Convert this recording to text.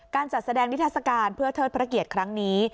การจัดแสดงนิทัศกาลเพื่อเทิดพระเกียรติครั้งนี้